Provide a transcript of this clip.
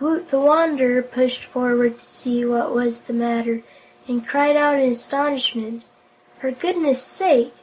Woot the Wanderer pushed forward to see what was the matter, and cried out in astonishment: "For goodness' sake!"